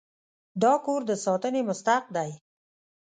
دا کور د ساتنې مستحق دی.